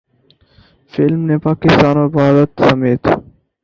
film نے پاکستان اور بھارت سمیت